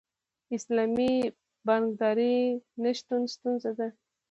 د اسلامي بانکدارۍ نشتون ستونزه ده.